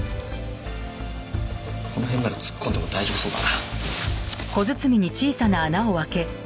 この辺なら突っ込んでも大丈夫そうだな。